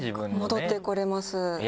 戻ってこれます。